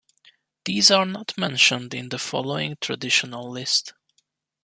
These are not mentioned in the following traditional list.